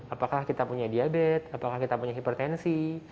apakah kita punya diabetes apakah kita punya hipertensi